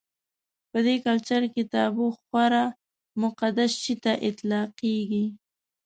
په دې کلچر کې تابو خورا مقدس شي ته اطلاقېږي.